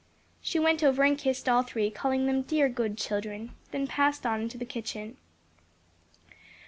She went over and kissed all three, calling them "dear good children," then passed on into the kitchen.